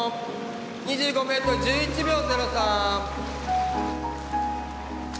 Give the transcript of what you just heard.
２５ｍ１１秒０３。